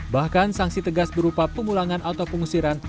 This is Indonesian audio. bahkan sanksi tegas berupa pemulangan atau pengusiran